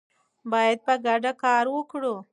باید په ګډه کار وکړو.